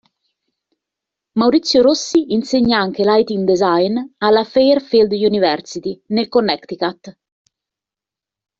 Maurizio Rossi insegna anche lighting design alla Fairfield University nel Connecticut.